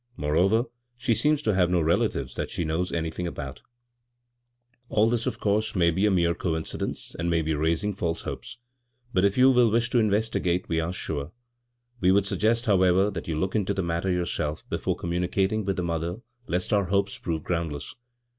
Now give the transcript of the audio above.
Moreover, she seems to have no relatives that she knows anything about " All this, of course, may be a mere coinci dence, and may be raising false hopes ; but you will wish to investigate, we are sure. We would suggest, however, that you look into the matter yourself before communi cating with the mother, lest our hopes prove groundless.